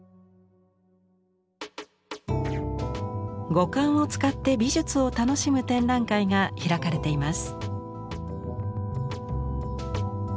五感を使って美術を楽しむ展覧会が開かれています。